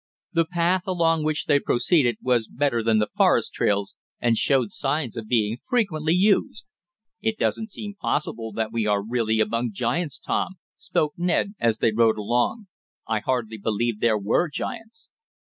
The path along which they proceeded, was better than the forest trails, and showed signs of being frequently used. "It doesn't seem possible that we are really among giants, Tom," spoke Ned, as they rode along. "I hardly believed there were giants."